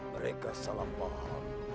mereka salah paham